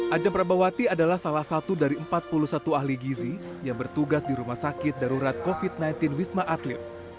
ajang prabawati adalah salah satu dari empat puluh satu ahli gizi yang bertugas di rumah sakit darurat covid sembilan belas wisma atlet